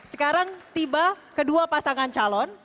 sekarang tiba kedua pasangan calon